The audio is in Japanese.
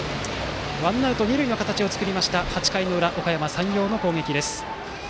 ワンアウト二塁の形を作りました８回の裏、おかやま山陽の攻撃。